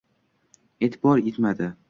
E’tibor etmadi.